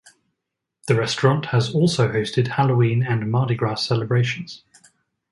The restaurant has also hosted Halloween and Mardi Gras celebrations.